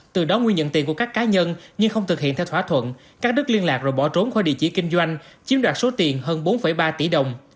từ đó nguyên nhận tiền của các cá nhân nhưng không thực hiện theo thỏa thuận các đức liên lạc rồi bỏ trốn khỏi địa chỉ kinh doanh chiếm đoạt số tiền hơn bốn ba tỷ đồng